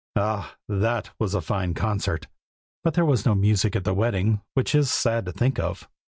Ah! that was a fine concert! but there was no music at the wedding, which is sad to think of."